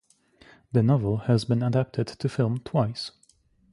The novel has been adapted to film twice.